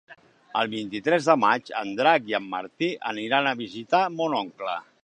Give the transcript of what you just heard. El vint-i-tres de maig en Drac i en Martí aniran a visitar mon oncle.